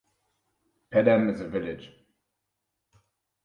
Pedem is a village.